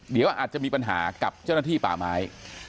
เดี๋ยวอาจจะมีปัญหากับเจ้าหน้าที่ป่าไม้